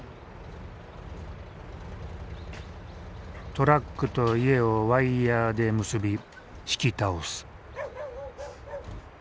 トラックと家をワイヤーで結び引き倒す。